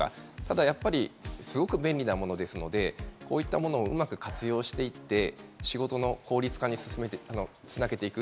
ただやっぱりすごく便利なものですので、うまく活用していって、仕事の効率化につなげていく。